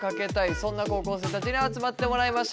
そんな高校生たちに集まってもらいました。